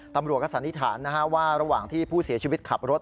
ตำรวจก็สันนิษฐานว่าระหว่างที่ผู้เสียชีวิตขับรถ